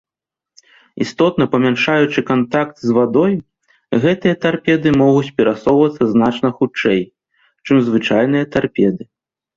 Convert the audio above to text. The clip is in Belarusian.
Істотна памяншаючы кантакт з вадой, гэтыя тарпеды могуць перасоўвацца значна хутчэй, чым звычайныя тарпеды.